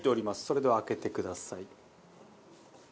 それでは開けてください。